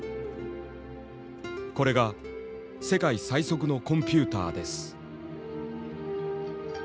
「これが世界最速のコンピューターです」。